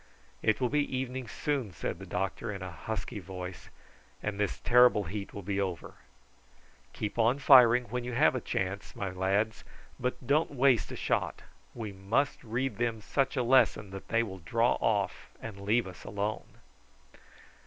"It will be evening soon," said the doctor in a husky voice, "and this terrible heat will be over. Keep on firing when you have a chance, my lads, but don't waste a shot. We must read them such a lesson that they will draw off and leave us alone."